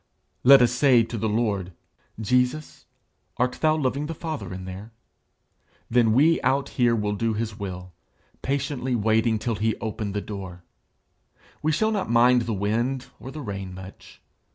Let us say to the Lord, 'Jesus, art thou loving the Father in there? Then we out here will do his will, patiently waiting till he open the door. We shall not mind the wind or the rain much.